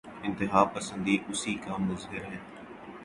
انتہاپسندی اسی کا مظہر ہے۔